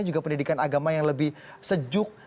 juga pendidikan agama yang lebih sejuk